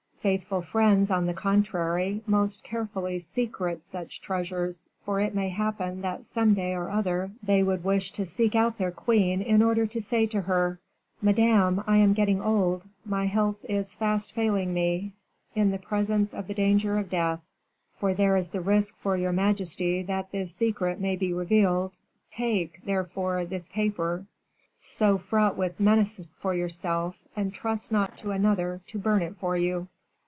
Faithful friends, on the contrary, most carefully secrete such treasures, for it may happen that some day or other they would wish to seek out their queen in order to say to her: 'Madame, I am getting old; my health is fast failing me; in the presence of the danger of death, for there is the risk for your majesty that this secret may be revealed, take, therefore, this paper, so fraught with menace for yourself, and trust not to another to burn it for you.